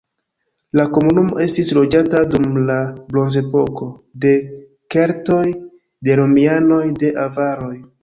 La komunumo estis loĝata dum la bronzepoko, de keltoj, de romianoj, de avaroj.